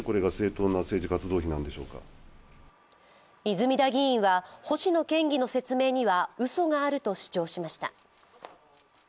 泉田議員は星野県議の説明にはうそがあると主張しました。